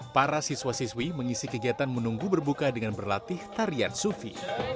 para siswa siswi mengisi kegiatan menunggu berbuka dengan berlatih tarian sufi